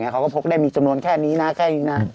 เขาก็พกได้มีจำนวนแค่นี้นะแค่นี้นะ